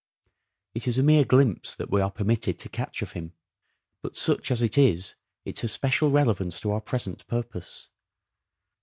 It is a mere glimpse that we are permitted to catch of him, but such as it is it has special relevance to our present purpose.